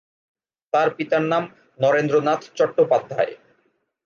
তার পিতার নাম নরেন্দ্রনাথ চট্টোপাধ্যায়।